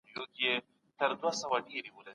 ژبه لرغونې وي، خو ابتکار پکې کم وي.